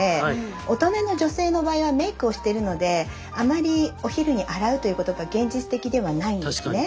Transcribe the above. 大人の女性の場合はメイクをしてるのであまりお昼に洗うということが現実的ではないんですね。